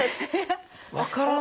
分からないです。